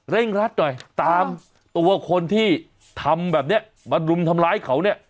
เร่งรัดหน่อยตามตัวคนที่ทำแบบเนี้ยมารุมทำลายเขานี้